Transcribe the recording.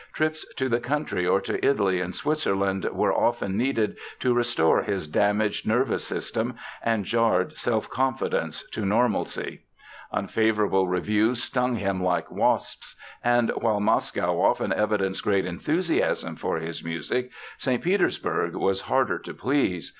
Trips to the country or to Italy and Switzerland were often needed to restore his damaged nervous system and jarred self confidence to normalcy. Unfavorable reviews stung him like wasps. And while Moscow often evidenced great enthusiasm for his music, St. Petersburg was harder to please.